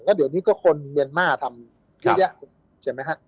แล้วเดี๋ยวนี้ก็คนเมียร์มาทำอยู่เนี่ยใช่ไหมฮะ